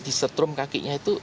disetrum kakinya itu